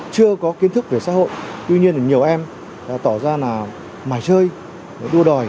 chưa có kiến thức về xã hội tuy nhiên nhiều em tỏ ra là mải chơi đua đòi